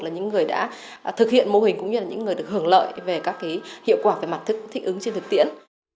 là những người đã thực hiện mô hình cũng như là những người được hưởng lợi về các hiệu quả về mặt thích ứng trên thực tiễn